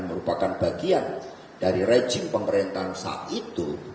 merupakan bagian dari rejim pemerintahan saat itu